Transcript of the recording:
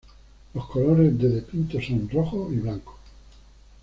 Los colores de De Pinte son rojo y blanco.